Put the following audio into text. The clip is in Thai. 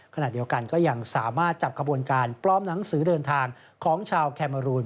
ขณะเดียวกันก็ยังสามารถจับขบวนการปลอมหนังสือเดินทางของชาวแคเมอรูน